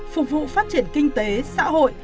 phục vụ phát triển kinh tế xã hội